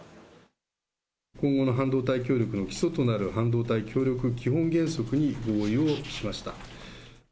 今後の半導体協力の基礎となる、半導体協力基本原則に合意をしました。